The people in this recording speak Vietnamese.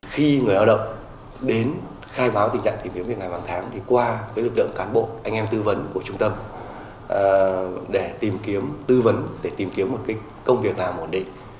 khi người lao động đến khai báo tình trạng tìm kiếm việc làm hàng tháng thì qua lực lượng cán bộ anh em tư vấn của trung tâm để tìm kiếm tư vấn để tìm kiếm một công việc làm ổn định